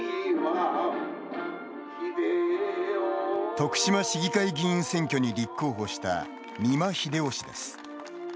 徳島市議会議員選挙に立候補した美馬秀夫氏です。